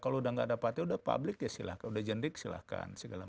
kalau sudah tidak ada patent sudah publik silahkan